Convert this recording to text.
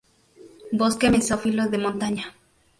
Bosque mesófilo de montaña.